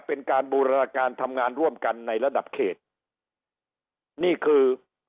เป็นการบูรณาการทำงานร่วมกันในระดับเขตนี่คือ